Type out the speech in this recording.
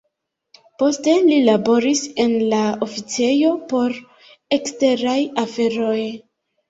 Poste li laboris en la oficejo por eksteraj aferoj.